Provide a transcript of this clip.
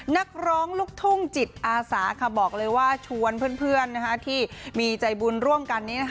นักร้องลูกทุ่งจิตอาสาบอกเลยว่าชวนเพื่อนที่มีใจบุญร่วมกัน